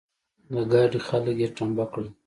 د ګاډي خلګ يې ټمبه کړل.